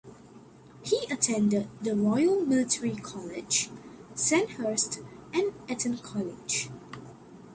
He attended the Royal Military College, Sandhurst and Eton College.